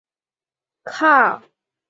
宣统二年。